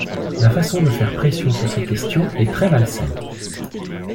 La façon de faire pression sur ces questions est très malsaine.